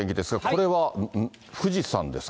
これは富士山ですか。